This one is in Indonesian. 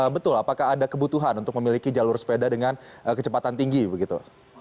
betul apakah ada kebutuhan untuk memiliki jalur sepeda dengan kecepatan tinggi begitu